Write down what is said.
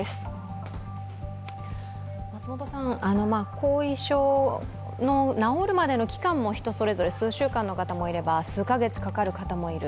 後遺症の治るまでの期間も人それぞれ、数週間の方もいれば、数カ月かかる方もいる。